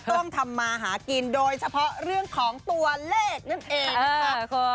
ต้องทำมาหากินโดยเฉพาะเรื่องของตัวเลขนั่นเองนะคะ